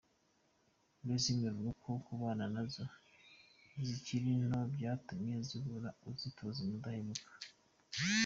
Lazmi avuga ko kubana nazo zikiri nto byatumye zikura azitoza ubudahemuka.